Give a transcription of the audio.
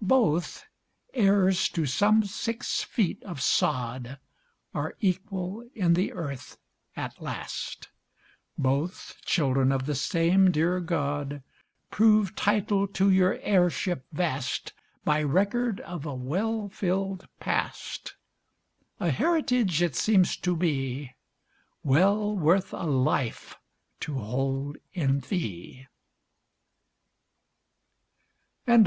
Both, heirs to some six feet of sod, Are equal in the earth at last; Both, children of the same dear God, Prove title to your heirship vast By record of a well filled past; A heritage, it seems to me, Well worth a life to hold in fee. THE ROSE: A BALLAD. I.